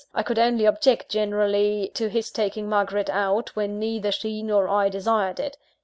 I could only object, generally, to his taking Margaret out, when neither she nor I desired it.